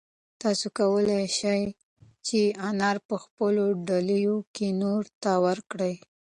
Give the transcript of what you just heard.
تاسو کولای شئ چې انار په خپلو ډالیو کې نورو ته ورکړئ.